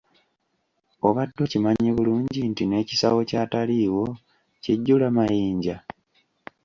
Obadde okimanyi bulungi nti n'ekisawo ky'ataliiwo kijjula mayinja?